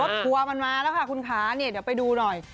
ทัวร์มันมาแล้วค่ะคุณค้าเนี่ยเดี๋ยวไปดูหน่อย